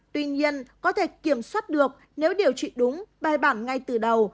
tuy nhiên có thể kiểm soát được nếu điều trị đúng bài bản ngay từ đầu